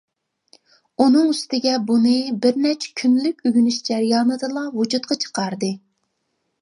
ئۇنىڭ ئۈستىگە بۇنى بىرنەچچە كۈنلۈك ئۆگىنىش جەريانىدىلا ۋۇجۇدقا چىقاردى.